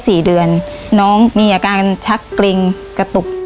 ตอนที่สี่เดือนน้องมีอาการชักกลิ่งกระตุก